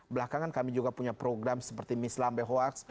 belakangan kami juga punya program seperti miss lambe hoax